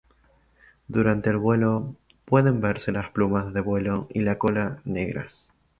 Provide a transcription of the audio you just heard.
Durante el vuelo pueden verse las plumas de vuelo y la cola negras.